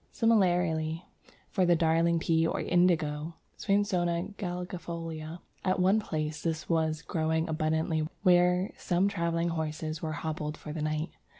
Similarly for the Darling Pea or Indigo (Swainsonia galegifolia). At one place this was growing abundantly where some travelling horses were hobbled for the night.